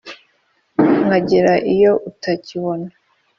Nkagera iyo utakibona,